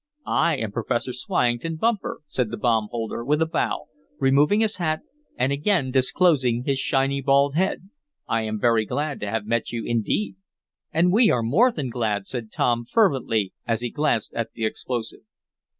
"I am Professor Swyington Bumper," said the bomb holder, with a bow, removing his hat, and again disclosing his shiny bald head. "I am very glad to have met you indeed." "And we are more than glad," said Tom, fervently, as he glanced at the explosive.